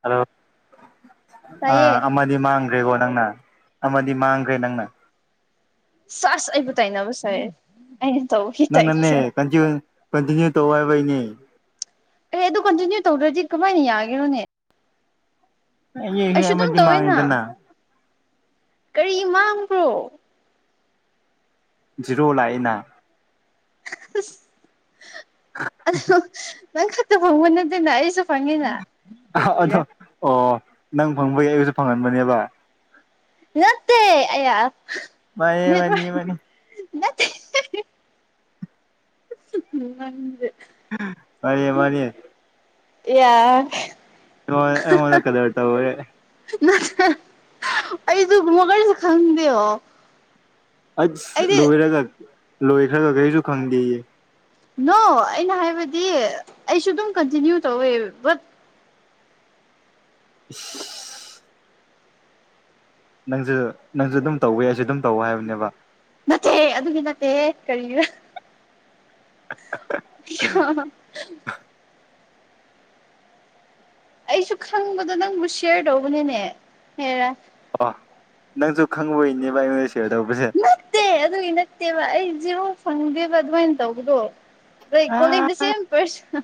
hello ꯇꯥꯏꯌꯦ ꯑꯥ ꯑꯗꯤ ꯃꯥꯡꯒ꯭ꯔꯦꯒꯣ ꯅꯅ ꯑꯃꯗꯤꯗꯤ ꯃꯥꯡꯈ꯭ꯔꯦ ꯅꯪꯅ ꯆꯁ ꯑꯩꯕꯨ ꯇꯥꯏꯅꯕꯁꯔꯦ ꯅꯪ ꯅꯅꯦ ꯀ ꯀꯟꯇꯤꯅꯌꯨ ꯇꯧ ꯍꯥꯏꯏꯕꯅꯤ ꯑꯩ ꯑꯗꯨ ꯀꯟꯇꯤꯅ꯭ꯌꯨ ꯇꯧꯗ꯭ꯔꯗꯤ ꯀꯃꯥꯏꯅ ꯌꯥꯒꯔꯣꯅꯦ ꯑꯩ ꯑꯩꯁꯨ ꯍꯦꯛ ꯑꯗꯨꯝ ꯑꯃꯗꯤ ꯇꯧꯋꯦꯅ ꯃꯥꯡꯉꯤꯗꯅ ꯀꯔꯤ ꯃꯥꯡꯕ꯭ꯔꯣ ꯔꯣ ꯂꯥꯏꯅ ꯑ ꯅꯪ ꯈꯛꯇ ꯐꯪꯕ ꯅꯠꯇꯦꯅ ꯑꯩꯁꯨ ꯐꯪꯉꯤꯅ ꯑꯗꯣ ꯀꯔꯤꯔ ꯑꯣ ꯅꯪ ꯐꯪꯕꯒꯤ ꯑꯩꯁꯨ ꯐꯪꯍꯟꯕꯅꯦꯕ ꯅꯠꯇꯦ ꯑ ꯃꯥꯅꯤ ꯃꯅꯤ ꯃꯅꯤ ꯅꯠꯇꯦ ꯅꯪꯦ ꯃꯔꯤꯦ ꯃꯔꯤꯦ ꯌꯥ ꯑꯩꯉꯣꯟ ꯑꯩꯉꯣꯟꯗ ꯀꯗꯔ ꯇꯧꯔꯦ ꯑꯩꯁꯨ ꯃꯒꯜꯁꯨ ꯈꯪꯗꯦꯌꯣ ꯑꯁ ꯑꯩꯗꯤ ꯂꯣꯏꯔꯒ ꯂꯣꯏꯈ꯭ꯔꯒ ꯀꯔꯤꯁꯨ ꯈꯪꯗꯦꯌꯦ ꯅꯣ ꯑꯩꯅ ꯍꯥꯏꯕꯗꯤ ꯑꯩꯁꯨ ꯑꯗꯨꯝ ꯀꯟꯇꯤꯅ꯭ꯌꯨ ꯇꯧꯋꯦ ꯕꯠ [inaudible] ꯅꯪꯁꯨ ꯅꯪꯁꯨ ꯑꯗꯨꯝ ꯇꯧꯋꯦ ꯑꯩꯁꯨ ꯑꯗꯨꯝ ꯇꯧꯋ ꯍꯥꯏꯕꯅꯦꯕ ꯅꯠꯇꯦ ꯑꯗꯨꯒꯤ ꯅꯠꯇꯦꯍ ꯀꯔꯤꯅ [inaudible] ꯑꯩꯁꯨ ꯈꯪꯕꯗꯣ ꯅꯪꯕꯨ ꯁꯤꯌꯔ ꯇꯧꯕꯅꯤꯅꯦ ꯍꯔ ꯑ ꯅꯪꯁꯨ ꯈꯪꯕꯣꯏꯅꯦꯕ ꯑꯩꯉꯣꯟꯗ ꯁꯤꯌꯔ ꯇꯧꯕꯁꯦ ꯅꯠꯇꯦ ꯑꯗꯨꯒꯤ ꯅꯠꯇꯦꯕ ꯑꯩ ꯖꯤꯔꯣ ꯐꯪꯗꯦꯕ ꯑꯗꯨꯃꯥꯏꯅ ꯇꯧꯕꯗꯣ ꯀꯣꯂꯖ ꯑꯥ ꯁꯦꯝ ꯄꯔꯁ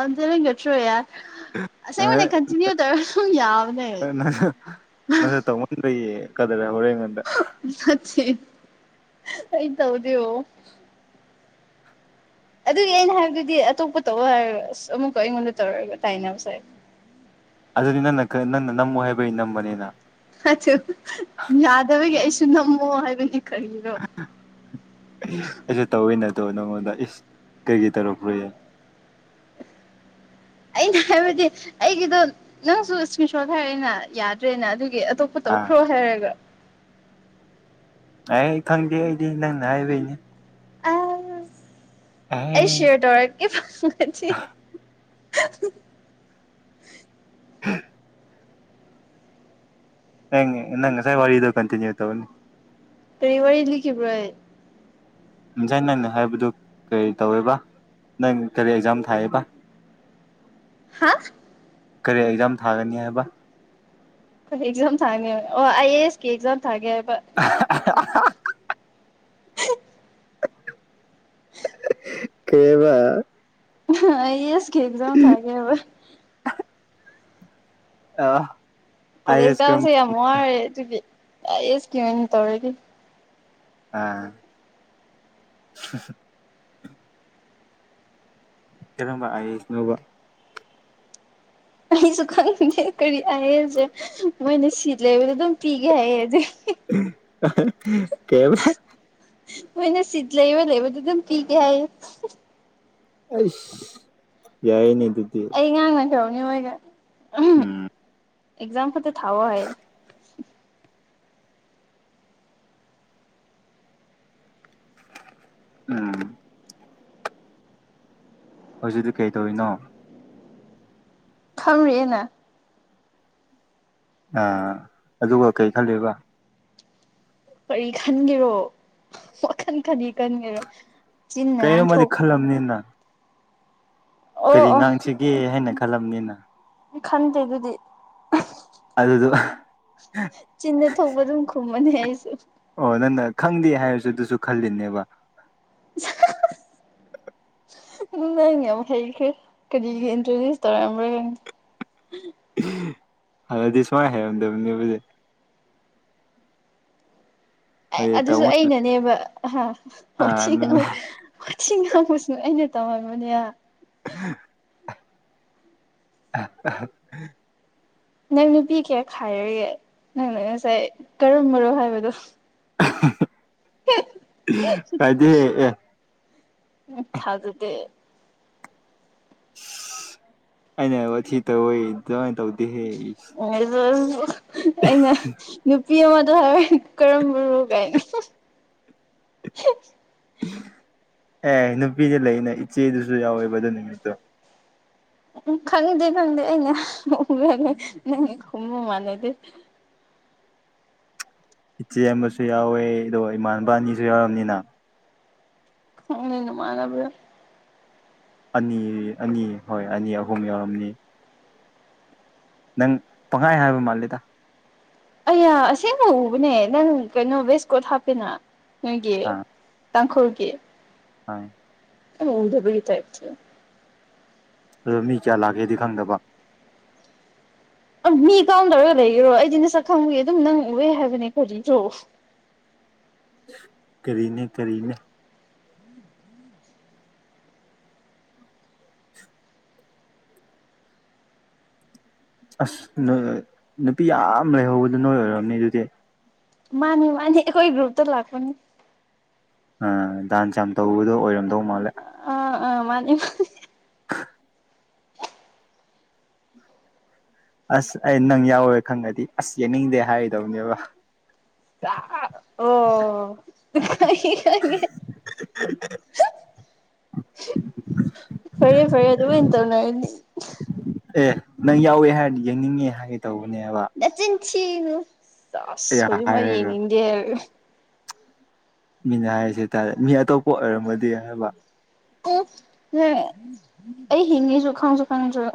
ꯑꯗꯅ ꯀꯠꯇ꯭ꯔꯣ ꯌꯥꯔ ꯑꯁꯦꯡꯕꯅꯦ ꯑꯦ ꯀꯟꯇꯤꯅ꯭ꯌꯨ ꯇꯧꯔ ꯑꯗꯨꯝ ꯌꯥꯕꯅꯦ ꯅ ꯅꯁ ꯇꯧꯉꯅꯤꯌꯦ ꯆ ꯀꯗ꯭ꯔ ꯍꯔ ꯌꯦꯉꯗ ꯑꯩꯗꯥꯎꯗꯦ ꯑꯗꯨꯒꯤ ꯑꯩꯅ ꯍꯥꯏꯕꯗꯨꯗꯤ ꯑꯇꯣꯞꯄ ꯇꯧꯕ ꯍꯥꯏꯔꯒ ꯑꯁ ꯑꯃꯨꯛꯀ ꯑꯩꯉꯣꯟꯗ ꯇꯧꯔꯒ ꯇꯥꯏꯅꯕ ꯁꯥꯏ ꯑꯗꯨꯗꯤ ꯅꯅ ꯅꯅ ꯅꯝꯃꯣ ꯍꯥꯏꯕꯩ ꯅꯝꯕꯅꯤꯅ ꯌꯥꯗꯕꯒꯤ ꯑꯩꯁꯨ ꯅꯝꯃꯣ ꯍꯥꯏꯕꯅꯤ ꯀꯔꯤꯅꯣ ꯑꯩꯁꯨ ꯇꯧꯋꯤ ꯅꯠꯇꯦ ꯗꯣ ꯅꯪꯉꯣꯟꯗ ꯏꯁ ꯀꯩꯒꯤꯩ ꯇꯧꯔꯛꯂꯣꯏ ꯌꯥ ꯑꯩꯩꯅ ꯍꯥꯏꯕꯗꯤ ꯑꯩꯒꯤꯗꯣ ꯅꯪꯁꯨ ꯏꯁꯃꯤꯁꯣꯔ ꯍꯥꯏꯔꯦꯅ ꯌꯥꯗ꯭ꯔꯦꯅ ꯑꯗꯨꯒꯤ ꯑꯇꯣꯞꯄ ꯑꯥ ꯇꯧꯈ꯭ꯔꯣ ꯍꯥꯏꯔꯒ ꯑꯩ ꯑꯩ ꯈꯪꯗꯦ ꯑꯩꯗꯤ ꯅꯪꯅ ꯍꯥꯏꯕꯩꯅꯦ ꯑ ꯑꯩ ꯁꯤꯔꯗꯔ ꯀ ꯐ [inaudible] ꯍꯉ ꯅꯪ ꯁꯥꯏ ꯋꯥꯔꯤꯣ ꯀꯟꯇꯤꯟꯅꯌꯨ ꯇꯧꯅꯤ ꯑꯦ ꯋꯥꯔꯤ ꯂ ꯀ ꯄꯨ꯭ꯔꯥꯏ ꯉꯁꯥꯏ ꯅꯪꯅ ꯍꯥꯏꯕꯗꯨ ꯀꯔꯤ ꯇꯧꯋꯦꯕ ꯅꯪ ꯀꯔꯤ ꯑꯦꯛꯖꯥꯝ ꯊꯥꯏꯑꯦꯕ [inaudible] ꯍꯥ ꯀꯔꯤ ꯑꯦꯛꯖꯥꯝ ꯊꯥꯒꯅꯤ ꯍꯥꯏꯕ ꯑꯩꯣꯏ ꯑꯦꯛꯖꯥꯝ ꯊꯥꯅꯤ ꯑꯣ ꯑꯥꯏ ꯑꯦ ꯑꯦꯁ ꯀ ꯑꯦꯛꯖꯥꯝ ꯊꯥꯒꯦ ꯍꯥꯏꯕ [inaudible] ꯀꯕ ꯑꯁ ꯈꯦꯖꯥꯎ ꯊꯑꯒꯦꯕ ꯑ ꯀꯣꯂꯦꯖ ꯇꯥꯕꯁꯦ ꯌꯥꯝ ꯋꯥꯔꯦ ꯑꯗꯨꯒꯤꯁꯀꯤ ꯑꯣꯏꯅ ꯇꯧꯔꯗꯤ ꯑꯥ ꯀꯔꯝꯕ ꯑꯩ ꯏꯁꯅꯣꯕ ꯑꯩꯁꯨ ꯈꯪꯅꯦ ꯀꯔꯤ ꯑꯍꯁꯦ ꯃꯣꯏꯅ ꯁꯤ ꯂꯩꯕꯗ ꯑꯗꯨꯝ ꯊꯒꯗꯤ ꯀꯩꯕ ꯃꯅ ꯁꯤꯤꯖ ꯂꯩꯕ ꯂꯩꯗꯨ ꯄꯤ ꯀꯦ ꯑ ꯌꯥꯏꯅꯤ ꯑꯩ ꯉꯥꯡ ꯅ ꯇꯧꯅꯤ ꯍꯣꯏꯒ ꯎꯝ ꯑꯦꯛꯖꯥꯝ ꯈꯗꯤ ꯊꯥꯕ ꯍꯥꯏ ꯑꯝ ꯍꯧꯖꯤꯛꯗꯤ ꯀꯩ ꯇꯧꯔꯤꯅꯣ ꯊꯝꯔꯤꯦꯦꯅ ꯑꯥ ꯑꯗꯨꯒ ꯀꯩ ꯈꯜꯂꯤꯕ ꯀꯔꯤ ꯈꯟꯒꯦꯔꯣ ꯋꯥꯜ ꯈꯅꯤ ꯀꯟꯒꯦꯔꯣ ꯆꯤꯟꯅ ꯀꯔꯤꯝꯃꯗꯤ ꯉꯥꯡꯊꯣꯛ ꯈꯜꯂꯝꯅꯤꯅ ꯀꯔꯤ ꯑꯣ ꯑꯣ ꯉꯥꯡꯁꯤꯒꯦ ꯍꯥꯏꯅ ꯈꯜꯂꯝꯅꯤꯅ ꯈꯟꯗꯦ ꯑꯗꯨꯗꯤ ꯑꯗꯨꯗꯣ ꯆꯤꯟꯗ ꯊꯧꯕ ꯑꯗꯨꯝ ꯈꯨꯝꯉ ꯃ ꯑꯣ ꯅꯪꯅ ꯈꯪꯗꯦ ꯍꯥꯏꯔꯁꯨ ꯑꯗꯨꯁꯨ ꯈꯜꯂꯤꯅꯦꯕ ꯅꯪ ꯌꯥꯝ ꯍꯩꯈ꯭ꯔꯦ ꯀꯔꯤꯒꯤ ꯏꯟꯇ꯭ꯔꯣꯗ꯭ꯌꯨꯁ ꯇꯧꯔꯛꯑꯝꯕ꯭ꯔꯥ ꯑꯗꯨꯗꯤ ꯁꯨꯃꯥꯏꯅ ꯍꯥꯏꯔꯝꯗꯕꯅꯦꯕꯁꯦ ꯑꯦ ꯍꯥꯏꯗꯤ ꯑꯗꯨꯁꯨ ꯇꯥꯃꯣ ꯑꯩꯅꯅꯦꯕ ꯑ ꯑꯃꯨ ꯏꯁꯤꯡ ꯍꯥꯡꯕꯁꯨ ꯑꯩꯅ ꯇꯝꯃꯕꯅꯦ [inaudible] [inaudible] ꯅꯪ ꯅꯨꯄꯤ ꯀꯌꯥ ꯈꯥꯏꯔꯒꯦ ꯅꯪꯅ ꯉꯁꯥꯏ ꯀꯔꯝꯕꯣ ꯍꯥꯏꯕꯗꯣ ꯀꯥꯏꯗꯤ ꯍꯦ ꯑꯦ ꯎ ꯊꯗꯦ ꯑꯩꯅ ꯋꯥ ꯇ ꯑꯣꯏꯣꯏ ꯆꯉ ꯇꯧꯗꯦ ꯍꯦ ꯑꯩꯅ ꯄꯄꯤ ꯑꯃꯗ ꯍꯥꯏꯔ ꯀꯔꯝꯕꯣꯒꯥꯏꯅꯣ ꯑꯦ ꯅꯨꯄꯤꯗꯤ ꯂꯩꯅ ꯏꯆꯦꯗꯨꯁꯨ ꯌꯥꯎꯋꯦꯕ ꯑꯗꯨ ꯅꯨꯃꯤꯠꯇꯣ ꯎꯝ ꯈꯪꯗꯦ ꯈꯪꯗꯦ ꯑꯩꯅ ꯎꯨꯝꯃꯦ ꯅꯪ ꯈꯨꯝꯃꯨ ꯃꯥꯟꯅꯗꯦ ꯏꯆꯦ ꯑꯃꯁꯨ ꯌꯥꯎꯋꯦ ꯑꯗꯣ ꯏꯃꯥꯟꯅꯕꯅꯤꯁꯨ ꯌꯥꯎꯔꯕꯝꯅꯤꯅ ꯎꯅ ꯃꯥꯅꯕ ꯑꯅꯤ ꯑꯅꯤ ꯍꯣꯏ ꯑꯅꯤ ꯑꯍꯨꯝ ꯌꯥꯎꯔꯝꯅꯤ ꯅꯪ ꯄꯪꯈꯥꯏ ꯍꯥꯏꯕ ꯃꯥꯜꯂꯦꯗ ꯑꯩ ꯑꯁꯦꯡꯕ ꯎꯕꯅꯦ ꯅꯪ ꯀꯩꯅꯣ ꯕꯦꯁꯀꯣꯠ ꯍꯥꯞꯄꯦꯅ ꯅꯣꯏꯒꯤ ꯇꯥꯡꯈꯨꯜꯒꯤ ꯍ ꯑꯗꯕꯒꯤ ꯇꯥꯏꯞ ꯑꯗꯣ ꯃꯤ ꯀꯌꯥ ꯂꯥꯛꯒꯦꯗꯤ ꯈꯪꯗꯕ ꯃꯤ ꯀꯥꯎꯗꯧꯔꯒ ꯂꯩꯒꯔꯣ ꯑꯩꯗꯤ ꯅꯁꯛ ꯈꯪꯉꯨꯏꯦ ꯑꯗꯨꯝ ꯅꯪ ꯎꯑꯦ ꯍꯥꯏꯕꯅꯦ ꯈꯣꯖꯤꯁꯨ [inaudible] ꯀꯔꯤꯅꯦ ꯀꯔꯤꯅꯦ ꯑꯁ ꯅꯣꯏ ꯅꯨꯄꯤ ꯌꯥꯝ ꯂꯩꯍꯧꯕꯗꯣ ꯅꯣꯏ ꯑꯣꯏꯝꯅꯤ ꯑꯗꯨꯗꯤ ꯃꯥꯅꯤ ꯃꯥꯅꯤ ꯑꯩꯈꯣꯏ ꯒ꯭ꯔꯨꯞꯇ ꯂꯥꯛꯄꯅꯤ ꯑꯥ ꯗꯥꯟꯁ ꯌꯥꯝ ꯇꯧꯕꯗꯣ ꯑꯣꯏꯔꯝꯗꯧ ꯃꯥꯜꯂꯦ ꯑ ꯃꯥꯅꯤ ꯑꯁ ꯑꯩ ꯅꯪ ꯌꯥꯎꯔꯦ ꯈꯪꯉꯗꯤ ꯑꯁ ꯌꯦꯡꯅꯤꯡꯗꯦ ꯍꯥꯏꯔꯤꯗꯧꯅꯦꯕ ꯁꯥ ꯑꯣ ꯐꯔꯦ ꯐꯔꯦ ꯑꯗꯨ ꯑꯣꯏꯅ ꯇꯧꯅꯔꯅꯤ ꯑꯦ ꯅꯪ ꯌꯥꯎꯋꯦ ꯍꯥꯏꯔꯗꯤ ꯌꯦꯡꯅꯤꯡꯉꯦ ꯍꯥꯏꯒꯦ ꯇꯧꯕꯅꯦꯕ ꯑꯦ ꯃꯥ ꯍꯥꯏꯔꯒ ꯌꯦꯅꯤꯗꯦ ꯃꯤꯅ ꯍꯥꯏꯔꯤꯁꯦ ꯍꯥꯏꯇꯥꯔꯦ ꯃꯤ ꯑꯇꯣꯞꯄ ꯑꯣꯏꯔꯝꯃꯗꯤ ꯍꯥꯏꯕ ꯎꯝ ꯑꯩ ꯍꯤꯡꯉꯤꯁꯨ ꯈꯪꯁꯨ ꯈꯪꯉꯁꯨ [inaudible]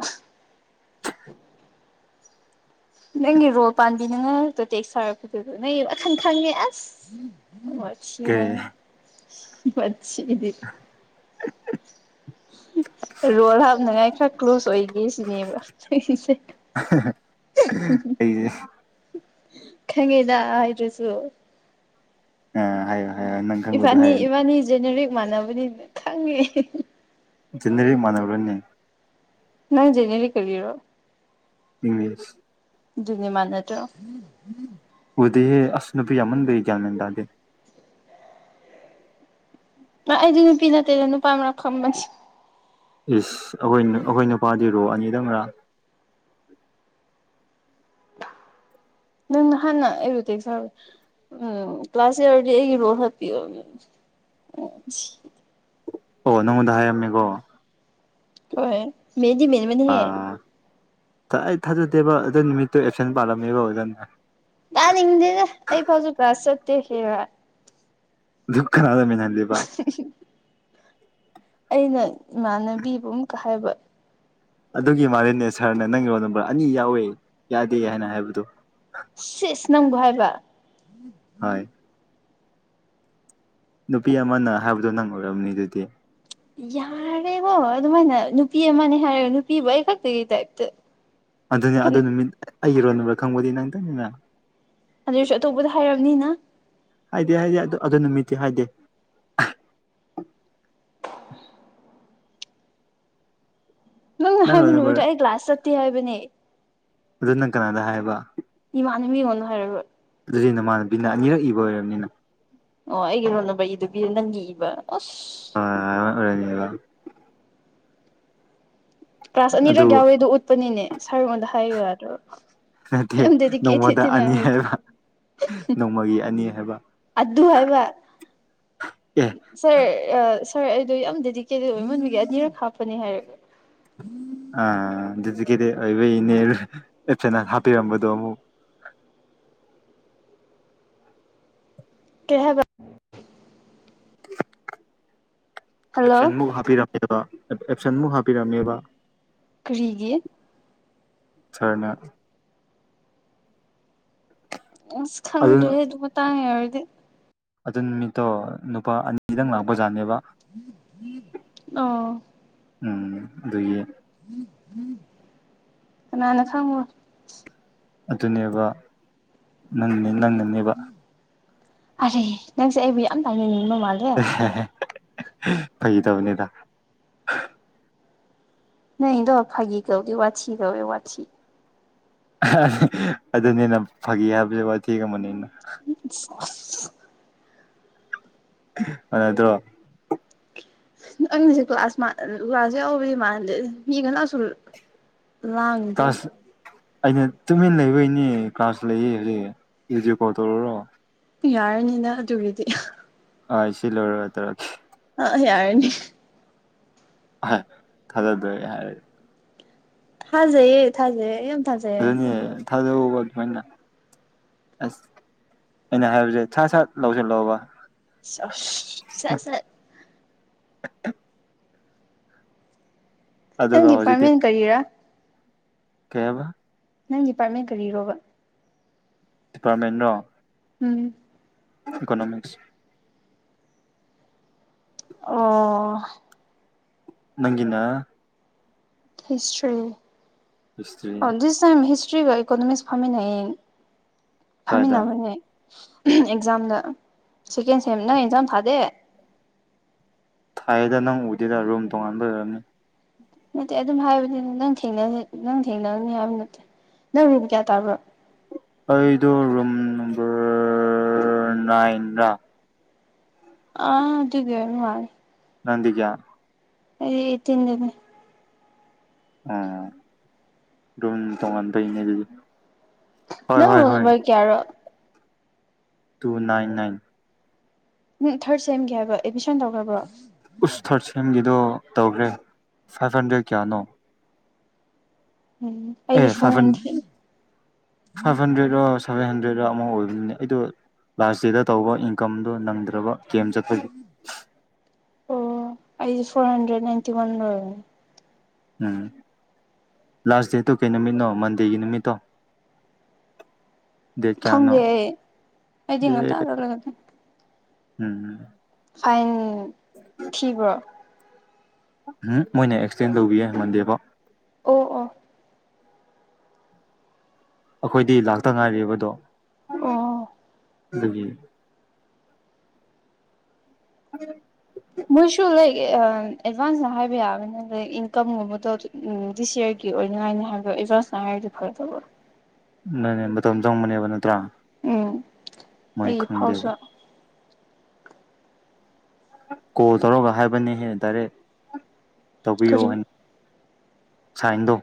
ꯅꯪꯒꯤ ꯔꯣꯜ ꯄꯥꯟꯕꯤꯅꯉ ꯇꯣ ꯇꯦꯛ ꯁꯥꯔꯛꯄꯗꯨꯗ ꯅꯪ ꯋꯥꯈꯟ ꯈꯪꯉꯦ ꯑꯁ ꯄꯁꯤ ꯀꯔꯤ ꯄꯁꯤꯗꯤ ꯔꯣꯜ ꯍꯥꯞꯅꯉꯥꯏ ꯈꯔ ꯀ꯭ꯂꯨꯖ ꯑꯣꯏꯒꯦ ꯁꯤꯅꯦꯕ ꯑꯩꯁꯦ ꯑꯩꯁꯦ ꯈꯪꯉꯦꯗ ꯍꯥꯏꯗꯨꯁꯨ ꯑ ꯍꯥꯏꯌ ꯏꯕꯥꯅꯤ ꯏꯕꯥꯅꯤ ꯖꯦꯅꯔꯤꯛ ꯃꯥꯟꯅꯕꯅꯤꯅ ꯈꯪꯉꯦ ꯟꯅꯔꯤ ꯃꯥꯅꯅꯕ ꯑꯣꯏꯅ ꯅꯪ ꯅꯦꯔꯤ ꯀꯔꯤꯔꯣ ꯏꯪꯁ ꯅꯤ ꯃꯅꯠꯇꯣ ꯑꯗꯨꯗꯤꯦ ꯑꯁꯅꯕꯤꯌꯥꯃꯟꯕꯔꯤ ꯀ꯭ꯌꯥꯃꯗꯗꯗꯤ ꯑꯩꯗꯤ ꯅꯨꯄꯤ ꯅꯠꯇꯦꯗ ꯅꯨꯄꯥ ꯃꯔꯛ ꯈꯝꯕꯁꯦ ꯌꯦꯁ ꯑꯩꯈꯣꯏ ꯑꯩꯈꯣꯏ ꯅꯨꯄꯥꯗꯤ ꯔꯣꯛ ꯑꯅꯤꯗꯪꯔꯥ ꯅꯪ ꯍꯅ ꯏꯔ ꯇꯦ ꯁꯦ ꯎꯝ ꯀ꯭ꯂ꯭ꯂꯥꯁꯦ ꯑꯣꯏꯔ ꯔꯣ ꯍꯥ ꯄꯤ ꯑꯣ ꯅꯪꯉꯣꯟꯗ ꯍꯥꯏꯔꯝꯃꯦꯀꯣ ꯍꯣꯏ ꯃꯗꯤ ꯃꯅꯤ ꯃꯅꯤ ꯍꯦ ꯑꯥ ꯑꯩ ꯊꯥꯖꯗꯦꯕ ꯑꯗꯨ ꯅꯨꯃꯤꯠꯇꯨ ꯑꯦꯞꯁꯦꯟ ꯄꯥꯜꯂꯝꯃꯦꯕ ꯑꯣꯖꯅ ꯀ ꯍꯗꯦꯗ ꯑꯩ ꯐꯁꯨꯨ ꯈꯥꯁꯇ ꯍꯦꯕ ꯗꯨ ꯈꯅꯗꯃꯤ ꯅꯗꯤꯕ ꯑꯩꯅ ꯏꯃꯥꯟꯅꯕꯤꯕꯨ ꯑꯨꯛꯀ ꯍꯥꯏꯕ ꯑꯗꯨꯒꯤ ꯃꯥꯅꯦ ꯁꯥꯔꯅ ꯅꯪꯒꯤ ꯔꯣꯜ ꯅꯝꯕꯔ ꯑꯅꯤ ꯌꯥꯎꯋꯦ ꯌꯥꯗꯦ ꯍꯥꯏꯅ ꯍꯥꯏꯕꯗꯨ ꯁꯤꯁ ꯅꯪꯕꯨꯣ ꯍꯥꯏꯕ ꯍꯣꯏ ꯅꯨꯄꯤ ꯑꯃꯅ ꯍꯥꯏꯕꯗꯣ ꯅꯪ ꯑꯣꯏꯔꯝꯅꯤ ꯑꯗꯨꯗꯤ ꯌꯥꯔꯦ ꯕ ꯑꯗꯨꯃꯥꯏꯅ ꯅꯨꯄꯤ ꯑꯃꯅꯦ ꯍꯥꯏꯔꯦ ꯅꯨꯄꯤꯕꯨ ꯑꯩ ꯈꯛꯇꯒꯤ ꯇꯥꯏꯞꯇ ꯑꯗꯨꯅꯦ ꯑꯗꯨ ꯅꯨꯃꯤꯠ ꯑꯩ ꯏꯔꯣꯟ ꯅꯨꯕ꯭ꯔꯥ ꯈꯪꯕꯗꯤ ꯅꯪꯇꯅꯤꯅ ꯑꯗꯨꯁꯨ ꯑꯇꯣꯞꯄꯗ ꯍꯥꯏꯔꯕꯅꯤꯅ ꯍꯥꯏꯗꯤꯦ ꯍꯥꯏꯗꯤꯦ ꯑꯗꯨ ꯑꯗꯨ ꯅꯨꯃꯤꯠꯇꯤ ꯍꯥꯏꯗꯦ ꯅꯪꯅ ꯅꯪ ꯍꯥꯏꯕ ꯔꯣꯜ ꯅꯨꯃꯤꯠꯇ ꯅꯝꯕꯔ ꯑꯩ ꯀ꯭ꯂꯒ꯭ꯂꯥꯁ ꯆꯠꯇꯦ ꯍꯥꯏꯕꯅꯦ ꯑꯗꯨ ꯅꯪ ꯀꯅꯥꯗ ꯍꯥꯏꯕ ꯏꯃꯥꯟꯕꯤ ꯑꯣꯏꯅꯅ ꯍꯥꯏꯔ ꯍꯧꯖꯤꯅꯅꯕꯤꯅ ꯑꯅꯤꯔꯛ ꯏꯕ ꯑꯣꯏꯔꯕꯅꯤꯅ ꯑꯣ ꯑꯩꯒꯤ ꯅꯣꯟꯅꯕ ꯏꯗꯨꯕꯤ ꯅꯪꯒꯤ ꯏꯕ ꯑꯁ ꯑ ꯀ꯭ꯂꯥꯁ ꯑꯗꯨ ꯑꯅꯤꯔꯛ ꯌꯥꯎꯋꯦꯗꯣ ꯎꯠꯄꯅꯤꯅꯦ ꯁꯥꯔꯉꯣꯟꯗ ꯍꯥꯏꯌꯨꯗ ꯅꯠꯇꯦ ꯅꯣꯡꯃꯗ ꯑꯅꯤ ꯍꯥꯏꯕ ꯅꯣꯡꯃꯒꯤ ꯑꯅꯤ ꯍꯥꯏꯕ ꯑꯗꯨ ꯍꯥꯏꯕ ꯑꯦ ꯁꯦ ꯁꯥꯔ ꯑꯩꯗꯣ ꯌꯥꯝ ꯗꯦꯗꯤꯀꯦꯠ ꯏꯃꯟꯒꯤ ꯑꯅꯤꯔꯛ ꯍꯥꯞꯄꯅꯦ ꯍꯥꯏꯔꯒꯦ ꯑ ꯑꯗꯨꯗꯤ ꯀꯗꯤ ꯑꯣꯏꯕ ꯏꯅꯦ ꯑꯦꯁ ꯍꯥꯞꯄꯤꯔꯝꯕꯗꯣ ꯑꯃꯨꯛ [inaudible] ꯀꯍꯕ ꯍꯜꯂꯣ ꯑꯦꯞꯁꯟ ꯃꯨꯛ ꯍꯥꯞꯄꯤꯔꯝꯃꯦꯕ ꯑꯦꯞꯁꯟꯃꯨꯛ ꯍꯥꯞꯄꯤꯔꯝꯃꯦꯕ ꯀꯔꯤꯒꯤꯦ ꯁꯔꯅ ꯑꯁ ꯈꯪꯗ꯭ꯔꯦ ꯑꯗꯨꯅ ꯑꯗꯨ ꯃꯇꯥꯡ ꯍꯥꯏꯎꯔꯗꯤ ꯑꯗꯨ ꯅꯨꯃꯤꯠꯇꯣ ꯅꯨꯄꯥ ꯑꯅꯤꯗꯪ ꯂꯥꯛꯄꯖꯥꯠꯅꯦꯕ ꯑ ꯎꯝ ꯑꯗꯒꯤ ꯀ ꯅꯅ ꯈꯥꯉ ꯑꯗꯨꯅꯦꯕ ꯅꯪ ꯅꯪꯒꯅꯦꯕ ꯑꯔꯦ ꯅꯪꯁꯦ ꯑꯩꯕꯨ ꯌꯥꯝ ꯇꯥꯏꯅꯤꯡꯅꯤꯡꯕ ꯃꯥꯜꯂꯦ ꯐꯩꯗꯕꯅꯤꯗ ꯅꯗ ꯐꯥꯒꯤ ꯀꯧꯗ ꯋꯥ ꯀꯧꯋꯦ ꯋꯥ ꯑꯗꯨꯅꯤꯅ ꯐꯥꯒꯤ ꯍꯥꯏꯕ ꯋꯥ ꯊꯤ ꯀꯃꯅꯤꯅ ꯑꯁ ꯑꯗꯨ ꯅꯠꯇ꯭ꯔꯣ ꯅꯪꯒꯤꯁꯦ ꯀ꯭ꯂꯥꯁ ꯀ꯭ꯂꯥꯁ ꯌꯥꯎꯕꯗꯤ ꯃꯥꯟꯗꯦ ꯃꯤ ꯂꯥꯡꯗꯤ ꯀ꯭ꯂꯥꯁ ꯑꯩꯅ ꯇꯨꯃꯤꯟ ꯂꯩꯕꯩꯅꯦ ꯀ꯭ꯂꯥꯁ ꯂꯩꯌꯦ ꯍꯧꯖꯤꯛ ꯔꯗꯤꯑꯣ ꯀꯣꯜ ꯇꯧꯔꯔꯣ ꯌꯥꯔꯅꯤꯅ ꯑꯗꯨꯒꯤꯗꯤ ꯍꯣꯏ ꯁꯤ ꯂꯧꯣꯏꯔꯨꯔ ꯇꯧꯔꯒꯦ ꯑ ꯌꯥꯔꯅꯤ ꯊꯥꯒꯠꯗꯦ ꯍꯥꯏꯔ ꯍꯖꯦ ꯌꯦ ꯊꯖꯦ ꯑꯗꯨꯅꯦ ꯊꯥꯗꯕ ꯑꯗꯨꯃꯥꯏꯅ ꯑꯁ ꯑꯩꯅ ꯍꯥꯏꯕꯁꯦ ꯁꯥ ꯁꯥ ꯂꯧꯁꯜꯂꯣꯑꯣꯕ ꯑꯁ [unintelligible] [unintelligible] [inaudible] ꯅꯪ ꯑꯗꯨꯒ ꯗꯤꯄꯥꯔꯃꯦꯟ ꯀꯔꯤꯔꯥ ꯀꯦꯕ ꯅꯪ ꯗꯤꯄꯥꯔꯠꯃꯦꯟ ꯀꯔꯤꯔꯣꯕ ꯄꯥꯔꯃꯦꯟꯣ ꯎꯝ ꯏꯀꯣꯅꯣꯃꯤꯛꯁ ꯑꯣ ꯅꯪꯒꯤꯅꯥ ꯍꯤꯁꯇ꯭ꯔꯤ ꯭ꯔꯤꯒ ꯏꯀꯣꯅꯣꯃꯤꯛꯁ ꯐꯝꯃꯤꯟꯅꯩꯌꯦ ꯀꯥꯏꯗ ꯐꯝꯃꯤꯟꯅꯕꯅꯦ ꯑꯦꯛꯖꯥꯝꯗ ꯁꯦꯀꯦꯟ ꯁꯦꯝ ꯅꯪ ꯑꯦꯛꯖꯥꯝ ꯐꯥꯗꯦ ꯊꯥꯏꯗ ꯅꯪ ꯎꯗꯦꯗ ꯔꯨꯝ ꯇꯣꯉꯥꯟꯕ ꯂꯩ ꯑꯣꯏꯔꯝꯅꯤ ꯅꯠꯇꯦ ꯑꯗꯨꯝ ꯍꯥꯏꯕꯅꯤꯅ ꯅꯪ ꯊꯦꯡꯅ ꯅꯪ ꯊꯦꯡꯅꯒꯅꯤ ꯍꯥꯏꯕ ꯅꯠꯇꯦ ꯅꯪ ꯔꯨꯝꯝ ꯀꯌꯥ ꯇꯥꯕ꯭ꯔꯣ ꯑꯩꯗꯣ ꯔꯨꯝ ꯅꯝꯕꯔ ꯅꯥꯏꯟꯗ ꯑꯥ ꯑꯗꯨ ꯑꯗꯨꯗ ꯃꯥ ꯅꯗꯤꯀ ꯑꯩ ꯇꯤꯟꯗꯃꯦ ꯑꯣ ꯑꯗꯨꯝ ꯇꯣꯉꯥꯟ ꯐꯩꯅꯦ ꯑꯗꯨꯗꯤ ꯍꯣꯏ ꯅ ꯍꯣꯏ ꯂꯣꯅ ꯍꯣꯏ ꯄ ꯀꯦꯔꯣ ꯇꯨ ꯅꯥꯏꯟ ꯅꯥꯏꯟ ꯎꯝ ꯊꯥꯔꯠ ꯁꯦꯝꯒꯦ ꯍꯥꯏꯕ ꯑꯦꯗꯃꯤꯁꯟ ꯇꯧꯈ꯭ꯔꯕ꯭ꯔꯣ ꯎꯁ ꯊꯥꯔꯠ ꯁꯦꯝꯒꯤꯗꯣ ꯇꯧꯈ꯭ꯔꯦ ꯐꯥꯏꯚ ꯍꯟꯗ꯭ꯔꯦꯠ ꯀꯌꯥꯅꯣ ꯎꯝ ꯑꯩꯗꯤ ꯑꯦ ꯐꯣꯔ ꯐꯥꯏꯚ ꯍꯟ ꯍꯟꯗ꯭ꯔꯦꯠ ꯐꯥꯏꯚ ꯍꯟꯗ꯭ꯔꯦꯠ ꯑꯣ ꯁꯚꯦꯟ ꯍꯟ꯭ꯔꯦ ꯂꯥꯁ ꯗꯦꯗ ꯇꯧꯕ ꯏꯝ ꯅ ꯐ꯭ꯔꯕ ꯒꯦꯝ ꯆꯠꯊꯒꯤ ꯑꯣ ꯑꯩꯁꯦ ꯐꯣꯔ ꯍꯟꯗ꯭ꯔꯦꯗ ꯅꯥꯏꯟꯇꯤ ꯋꯥꯟ ꯂꯣꯏꯔꯅꯦ ꯎꯝ ꯂꯥꯁ ꯗꯦꯠꯇꯣ ꯀꯩ ꯅꯨꯃꯤꯠꯅꯣ ꯃꯟꯗꯦꯒꯤ ꯅꯨꯃꯤꯠꯇꯣ ꯗꯦ ꯆꯥꯅꯣ ꯈꯪꯗꯦ ꯑꯩ ꯑꯩꯗꯤ ꯉꯟꯇꯥ ꯆꯠꯂꯒꯅꯦ ꯎꯝ ꯐꯥꯏꯟ ꯊꯤꯕ꯭ꯔꯣ ꯎꯝ ꯃꯣꯏꯅ ꯑꯦꯛꯁꯇꯦꯟ ꯇꯧꯕꯤꯌꯦꯦ ꯃꯟꯗꯦꯐꯥꯎ ꯑꯣ ꯑꯣ ꯑꯩꯈꯣꯏꯗꯤ ꯂꯥꯛꯇ ꯉꯥꯏꯦꯔꯤꯕꯗꯣ ꯑ ꯂꯩ ꯑ ꯃꯣꯏꯁꯨ ꯂꯥꯏꯛ ꯑꯦꯗꯚꯥꯟꯁꯅ ꯍꯥꯏꯕ ꯌꯥꯕꯅꯤꯅ ꯂꯥꯏꯛ ꯏꯟꯀꯝꯒꯨꯝꯕꯗꯣ ꯎ ꯗꯤꯁ ꯌꯔꯒꯤ ꯀ ꯑꯣꯏ ꯑꯣꯏꯅꯉꯥꯏꯅꯤ ꯍꯥꯏꯕ ꯏꯖꯖꯅ ꯍꯥꯏꯔꯔꯤꯗꯤ ꯐꯔ ꯇꯕ ꯅꯅꯦ ꯃꯇꯝ ꯆꯪꯕꯅꯦꯕ ꯅꯠꯇ꯭ꯔꯥ ꯎꯝ ꯃꯣꯏ ꯑꯩ ꯐꯥꯎꯁꯨ ꯈꯪꯗꯦꯕ ꯀꯣꯜ ꯇꯧꯔꯒ ꯍꯥꯏꯕꯅꯤꯍꯦ ꯗꯥꯏꯔꯦꯛ ꯇꯕꯨꯣ ꯀꯔꯤ ꯁꯥ ꯏꯣ